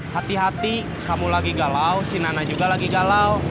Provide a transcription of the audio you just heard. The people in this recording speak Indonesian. hati hati kamu lagi galau si nana juga lagi galau